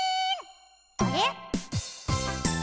あれ？